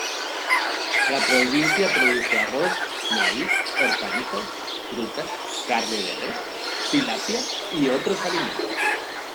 La provincia produce arroz, maíz, hortalizas, frutas, carne de res, tilapia y otros alimentos.